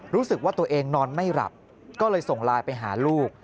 รู้สึกว่าตัวเองนอนไม่หลับก็เลยส่งไลน์ไปหาลูก